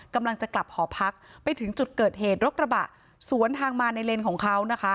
กำลังจะกลับหอพักไปถึงจุดเกิดเหตุรถกระบะสวนทางมาในเลนของเขานะคะ